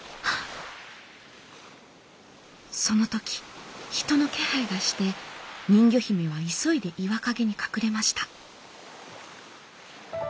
その時人の気配がして人魚姫は急いで岩陰に隠れました。